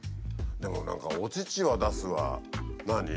でも何かお乳は出すわ何？